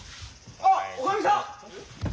あっおかみさん！